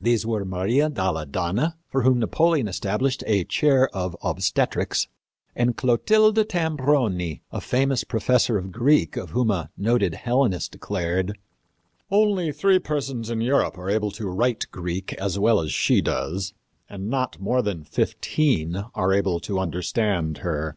These were Maria dalle Donne, for whom Napoleon established a chair of obstetrics, and Clotilda Tambroni, the famous professor of Greek, of whom a noted Hellenist declared, "Only three persons in Europe are able to write Greek as well as she does, and not more than fifteen are able to understand her."